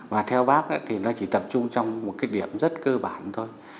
và theo bác thì nó chỉ tập trung trong một cái điểm rất cơ bản thôi